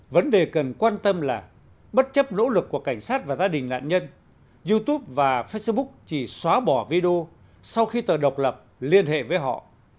vấn đề cần quan tâm là bất chấp nỗ lực của cảnh sát và gia đình nạn nhân youtube và facebook chỉ xóa bỏ video sau khi tờ độc lập liên hệ với họ